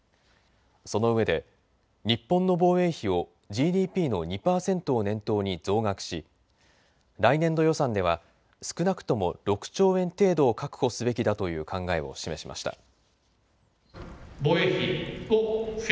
その上で日本の防衛費をＧＤＰの２％を念頭に増額し来年度予算では少なくとも６兆円程度を確保すべきだという考えを示しました。